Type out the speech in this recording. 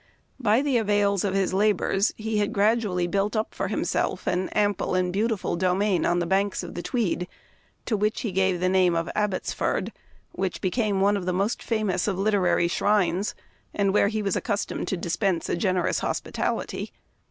By the avails of his labors he had grad ually built up for himself an ample and beautiful domain on the banks of the Tweed, to which he gave the name of Ab botsford, which became one of the most famous of literary shrines, and where he was accustomed to dispense a generous hospitality.